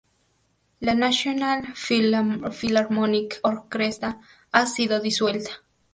La National Philharmonic Orchestra ha sido disuelta.